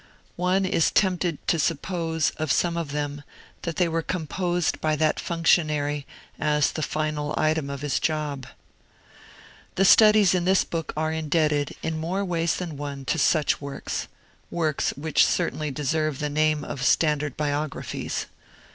One is tempted to suppose, of some of them, that they were composed by that functionary as the final item of his job. The studies in this book are indebted, in more ways than one, to such works works which certainly deserve the name of Standard Biographies.